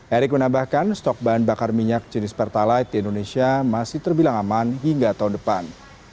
erick menambahkan stok bahan bakar minyak jenis pertalite di indonesia masih terbilang aman hingga tahun depan